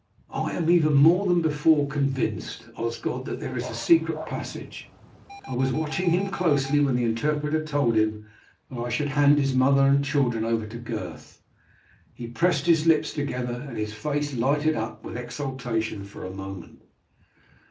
"I am even more than before convinced, Osgod, that there is a secret passage. I was watching him closely when the interpreter told him that I should hand his mother and children over to Gurth. He pressed his lips together, and his face lighted up with exultation for a moment."